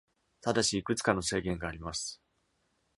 ただし、いくつかの制限があります。